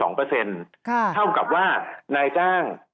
ทางประกันสังคมก็จะสามารถเข้าไปช่วยจ่ายเงินสมทบให้๖๒